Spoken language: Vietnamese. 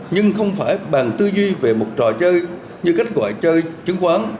nhưng không phải bàn tư duy về một trò chơi như cách gọi chơi chứng khoán